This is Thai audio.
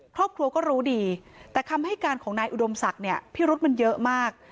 ครอบครัวก็รู้ดีแต่คำให้การของนายอุดมศักดิ์เนี่ยพิรุษมันเยอะมาก